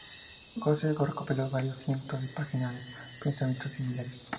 Gosse recopiló varios cientos de páginas de pensamientos similares.